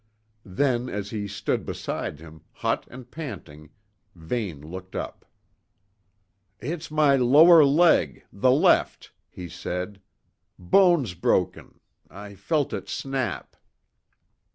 Then as he stood beside him, hot and panting, Vane looked up. "It's my lower leg; the left," he said. "Bone's broken; I felt it snap."